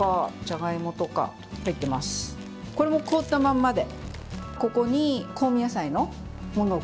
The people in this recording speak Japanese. これも凍ったまんまで。